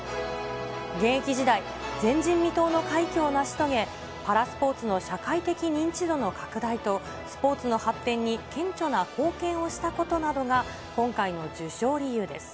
現役時代、前人未到の快挙を成し遂げ、パラスポーツの社会的認知度の拡大とスポーツの発展に、顕著な貢献をしたことなどが今回の受賞理由です。